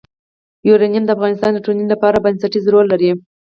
یورانیم د افغانستان د ټولنې لپاره بنسټيز رول لري.